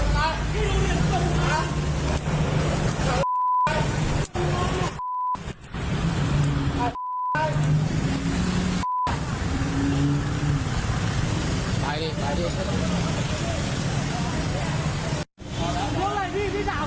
ไปดิไปดิ